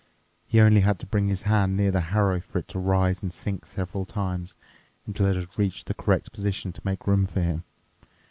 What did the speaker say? He only had to bring his hand near the harrow for it to rise and sink several times, until it had reached the correct position to make room for him.